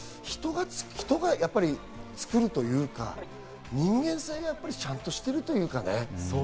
人が作るというか、人間性がちゃんとしてるというかね。